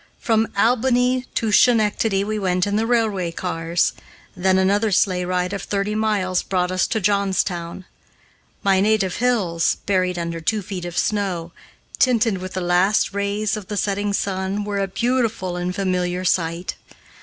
From Albany to Schenectady we went in the railway cars; then another sleighride of thirty miles brought us to Johnstown. My native hills, buried under two feet of snow, tinted with the last rays of the setting sun, were a beautiful and familiar sight.